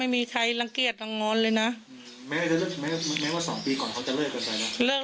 ไม่มีใครรังเกียจลังงอนเลยนะแม้ว่าสองปีก่อนเขาจะเลิกกันไปนะ